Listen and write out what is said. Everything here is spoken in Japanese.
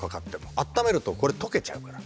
温めるとこれ解けちゃうから。